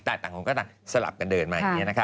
แต่ต่างคนก็ต่างสลับกันเดินมาอย่างนี้นะคะ